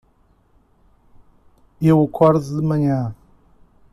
Eu acordo de manhã